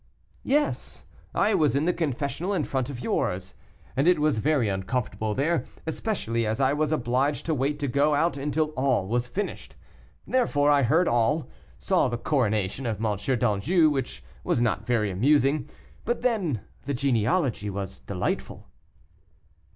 "Yes; I was in the confessional in front of yours, and it was very uncomfortable there, especially as I was obliged to wait to go out until all was finished. Therefore I heard all, saw the coronation of M. d'Anjou, which was not very amusing; but then the genealogy was delightful."